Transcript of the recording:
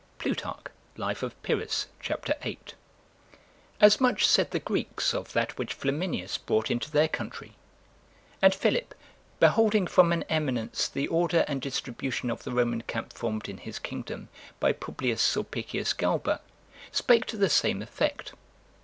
[Plutarch, Life of Pyrrhus, c. 8.] As much said the Greeks of that which Flaminius brought into their country; and Philip, beholding from an eminence the order and distribution of the Roman camp formed in his kingdom by Publius Sulpicius Galba, spake to the same effect.